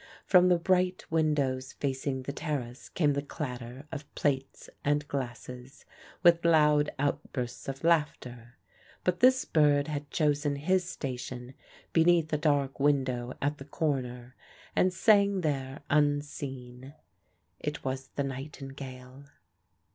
From the bright windows facing the terrace came the clatter of plates and glasses, with loud outbursts of laughter. But this bird had chosen his station beneath a dark window at the corner, and sang there unseen. It was the nightingale.